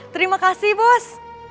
terima kasih bos